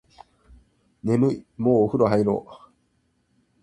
眠いもうお風呂入ろう